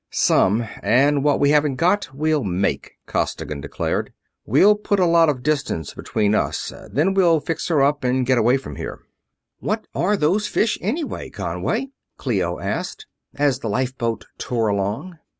"Some and what we haven't got we'll make," Costigan declared. "We'll put a lot of distance behind us, then we'll fix her up and get away from here." "What are those fish, anyway, Conway?" Clio asked, as the lifeboat tore along.